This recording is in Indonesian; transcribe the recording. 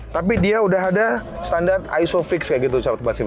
tapi dia udah ada standar isofix kayak gitu sobatkomunikasi tv